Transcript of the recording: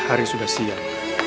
hari sudah siang